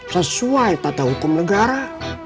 sesuai tata hukum negara